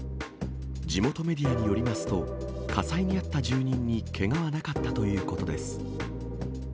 地元メディアによりますと、火災にあった住民にけがはなかったということです。